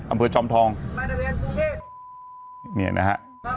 อำเภอจอมทองเนี่ยนะฮะ